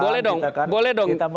boleh dong boleh dong